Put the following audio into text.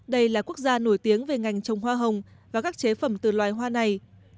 đây là quốc gia nổi tiếng về ngành trồng hoa hồng và các chế phẩm từ loài hoa này